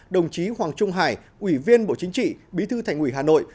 đồng chí hoàng trung hải ủy viên bộ chính trị bí thư thành ủy hà nội